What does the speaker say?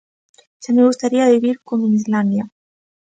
¡Xa me gustaría vivir como en Islandia!